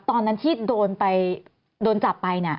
ตอนนั้นที่โดนจับไป